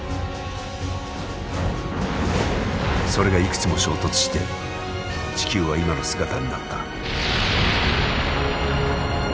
それがいくつも衝突して地球は今の姿になった。